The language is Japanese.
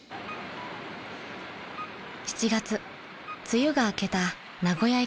［梅雨が明けた名古屋駅